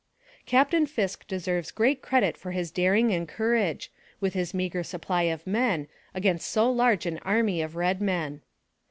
Captain Fisk deserves great credit for his daring and courage, with his meager supply of men, against so large an army of red men.